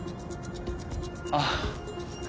ああ。